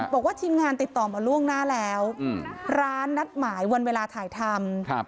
บอกว่าทีมงานติดต่อมาล่วงหน้าแล้วร้านนัดหมายวันเวลาถ่ายทำ